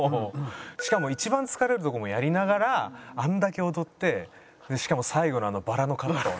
しかも一番疲れるところもやりながらあんだけ踊ってしかも最後のあのバラのカット。